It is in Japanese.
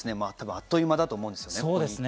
あっという間だと思うんですけどね。